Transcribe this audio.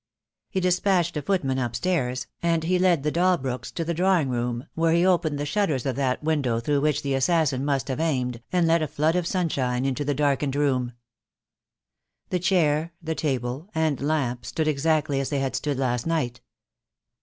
He despatched a footman upstairs, and he led the Dalbrooks to the drawing room, where he opened the shutters of that window through which the assassin must have aimed, and let a flood of sunshine into the darkened room. The chair, the table, and lamp stood exactly as they had stood last night.